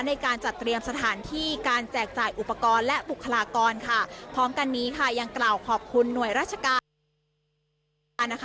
ในการจัดเตรียมสถานที่การแจกจ่ายอุปกรณ์และบุคลากรค่ะพร้อมกันนี้ค่ะยังกล่าวขอบคุณหน่วยราชการ